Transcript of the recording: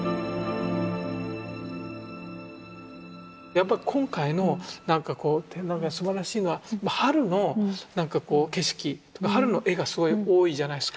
やっぱり今回のなんかこう展覧会すばらしいのは春のなんかこう景色春の絵がすごい多いじゃないですか。